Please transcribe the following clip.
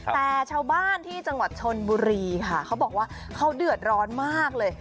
แต่ชาวบ้านที่จังหวัดชนบุรีค่ะเขาบอกว่าเขาเดือดร้อนมากเลย